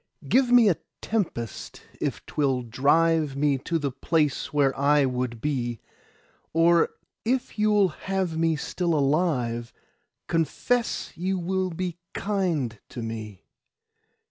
Give me a tempest if 'twill drive Me to the place where I would be; Or if you'll have me still alive, Confess you will be kind to me.